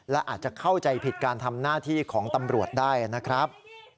และอาจจะเข้าใจผิดการทำหน้าที่ของตำรวจได้นะครับ